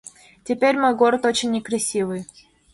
Теперь мой город очень некрасивый!